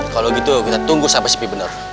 kalau gitu kita tunggu sampai sepi benar